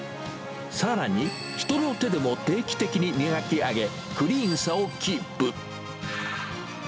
さらに、人の手でも定期的に磨き上げ、クリーンさをキープ。